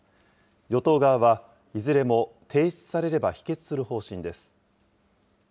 与党側は、いずれも提出されれば否決する方針です。